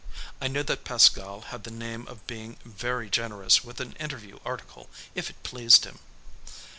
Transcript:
I knew that Pascal had the name of being very generous with an interview article if it pleased him.